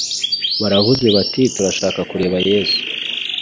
Baravuze bati: «Turashaka kureba Yesu.»